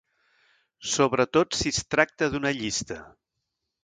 Sobretot si es tracta d'una llista.